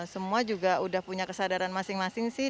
semua juga udah punya kesadaran masing masing sih